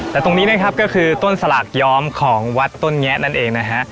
แต่ตรงนี้นะครับก็คือต้นสลากย้อมของวัดต้นแงะนั่นเองนะฮะ